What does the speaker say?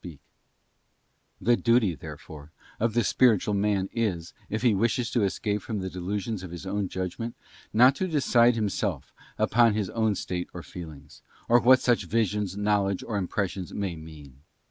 BOOK The duty, therefore, of the spiritual man is, if he wishes to escape from the delusions of his own judgment, not to decide himself upon his own state or feelings, or what such Visions, Knowledge, or Impressions may mean.